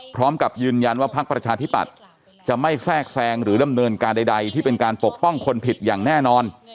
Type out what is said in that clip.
พร้อมกับยืนยันว่าพักประชาธิปัตย์จะไม่แทรกแซงหรือดำเนินการใดที่เป็นการปกป้องคนผิดอย่างแน่นอน